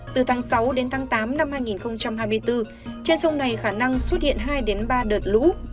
từ tháng sáu đến tháng tám năm hai nghìn hai mươi bốn trên sông này khả năng xuất hiện hai ba đợt lũ